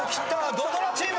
土ドラチーム。